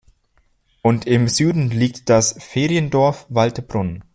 Und im Süden liegt das "Feriendorf Waldbrunn".